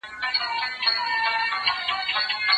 سياست د ټولنې د سازمان ورکولو لار نه ده.